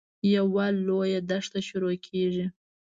یوه لویه دښته شروع کېږي.